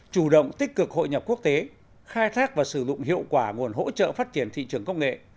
chủ động tích cực hội nhập quốc tế khai thác và sử dụng hiệu quả nguồn hỗ trợ phát triển thị trường công nghệ